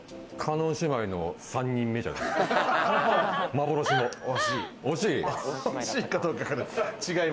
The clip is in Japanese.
叶姉妹の３人目じゃない？